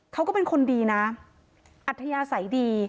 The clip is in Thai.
เขาก็เป็นคนดีนะอัธยาศัยดี